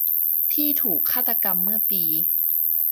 ที่ถูกฆาตกรรมเมื่อปี